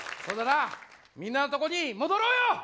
そうだなみんなのとこに戻ろうよ！